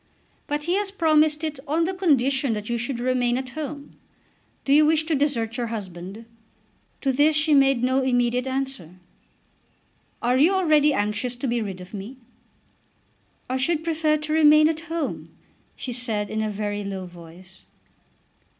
"But he has promised it on the condition that you should remain at home. Do you wish to desert your husband?" To this she made no immediate answer. "Are you already anxious to be rid of me?" "I should prefer to remain at home," she said in a very low voice.